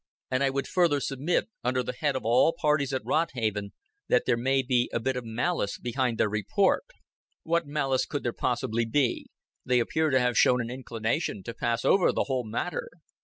And I would further submit, under the head of all parties at Rodhaven, that there may be a bit of malice behind their report." "What malice could there possibly be? They appear to have shown an inclination to pass over the whole matter."